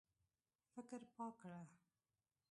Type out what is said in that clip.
فکر پاک کړه.